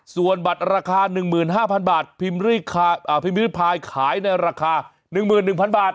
ส่วนบัตรราคาหนึ่งหมื่นห้าพันบาทพิมพ์รีไพรขายในราคาหนึ่งหมื่นหนึ่งพันบาท